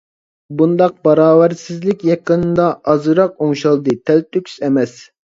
بۇنداق باراۋەرسىزلىك يېقىندا ئازراق ئوڭشالدى، تەلتۆكۈس ئەمەس.